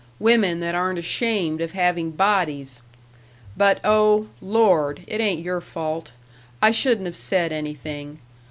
Women that aren't ashamed of having bodies.... But, oh, Lord! it ain't your fault. I shouldn't have said anything.